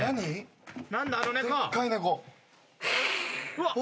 うわっ！